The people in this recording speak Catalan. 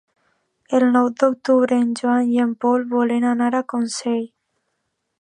El nou d'octubre en Joan i en Pol volen anar a Consell.